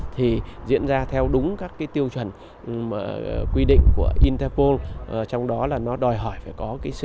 thì diễn ra theo đúng các cái tiêu chuẩn quy định của interpol trong đó là nó đòi hỏi phải có cái sự